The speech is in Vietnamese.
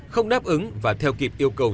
không đáp ứng và theo kịp yêu cầu